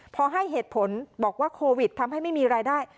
พอให้เหตุผลบอกว่าโควิดทำให้ไม่มีรายได้